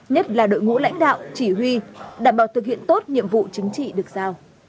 nhất là đội ngũ lãnh đạo chỉ huy đảm bảo thực hiện tốt nhiệm vụ chính trị được giao